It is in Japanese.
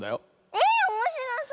えおもしろそう！